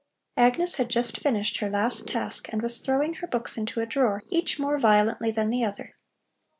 Agnes had just finished her last task and was throwing her books into a drawer, each more violently than the other.